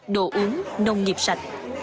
đồ uống nông nghiệp sạch